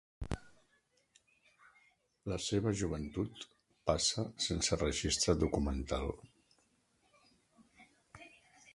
La seva joventut passa sense registre documental.